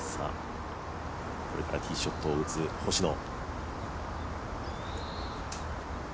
これからティーショットを打つ星野。